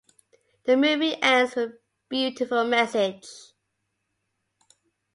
The movie ends with beautiful message.